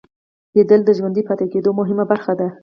لیدل د ژوندي پاتې کېدو مهمه برخه ده